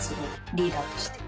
リーダーとして。